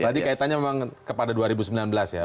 tadi kaitannya memang kepada dua ribu sembilan belas ya